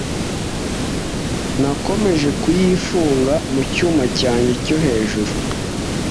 Nakomeje kuyifunga mu cyuma cyanjye cyo hejuru.